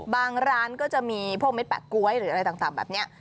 ร้านก็จะมีพวกเม็ดแปะก๊วยหรืออะไรต่างแบบนี้